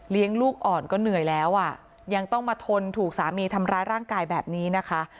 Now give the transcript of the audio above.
ลูกอ่อนก็เหนื่อยแล้วอ่ะยังต้องมาทนถูกสามีทำร้ายร่างกายแบบนี้นะคะ